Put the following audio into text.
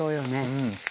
うん。